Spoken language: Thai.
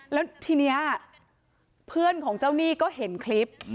แล้วทีนี้เพื่อนของเจ้าหนี้ก็เห็นคลิป